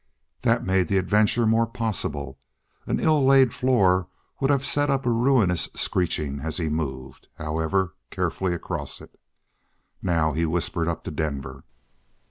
That made the adventure more possible. An ill laid floor would have set up a ruinous screeching as he moved, however carefully, across it. Now he whispered up to Denver.